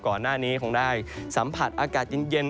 ก่อนหน้านี้คงได้สัมผัสอากาศเย็น